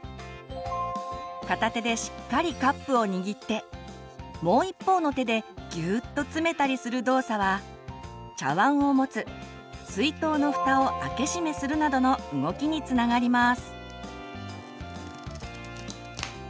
片手でしっかりカップをにぎってもう一方の手でギューッと詰めたりする動作は茶わんを持つ水筒のふたを開け閉めするなどの動きにつながります。